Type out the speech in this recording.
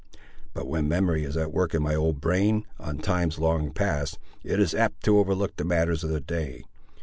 But when memory is at work in my old brain, on times long past, it is apt to overlook the matters of the day.